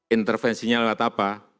intervensinya lewat apa